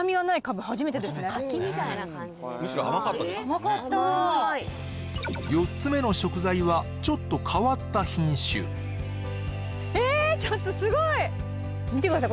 甘かった４つ目の食材はちょっとえちょっとすごい見てください